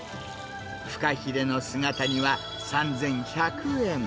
フカヒレの姿煮は３１００円。